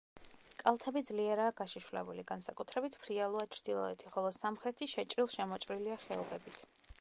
კალთები ძლიერაა გაშიშვლებული, განსაკუთრებით ფრიალოა ჩრდილოეთი, ხოლო სამხრეთი შეჭრილ-შემოჭრილია ხეობებით.